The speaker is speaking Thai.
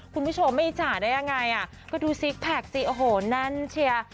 คุณผู้ชมไม่อิจฉาได้ยังไงอ่ะก็ดูซิกแพคสิโอ้โหแน่นเชียร์